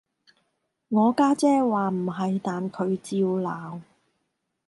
我家姐話唔係，但佢照鬧